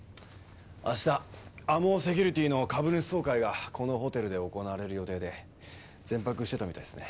明日ＡＭＯセキュリティーの株主総会がこのホテルで行われる予定で前泊してたみたいですね。